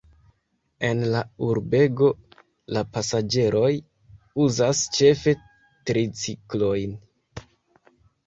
En la urbego la pasaĝeroj uzas ĉefe triciklojn.